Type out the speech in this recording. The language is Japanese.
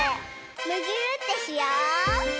むぎゅーってしよう！